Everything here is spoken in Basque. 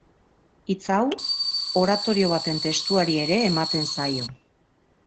Hitz hau, oratorio baten testuari ere ematen zaio.